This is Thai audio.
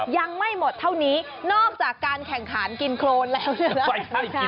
ยังไม่หมดเท่านี้นอกจากการแข่งขันกินโครนแล้วเนี่ยนะ